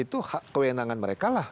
itu kewenangan mereka lah